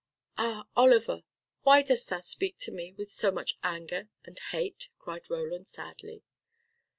"Ah, Oliver, why dost thou speak to me with so much anger and hate," cried Roland sadly.